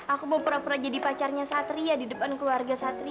aku mau pura pura jadi pacarnya satria di depan keluarga satria